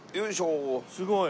すごい。